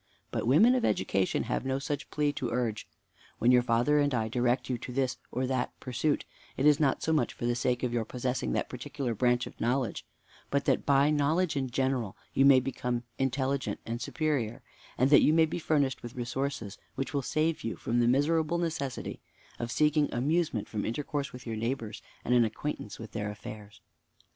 But women of education have no such plea to urge. When your father and I direct you to this or that pursuit, it is not so much for the sake of your possessing that particular branch of knowledge, but that by knowledge in general you may become intelligent and superior, and that you may be furnished with resources which will save you from the miserable necessity of seeking amusement from intercourse with your neighbors, and an acquaintance with their affairs.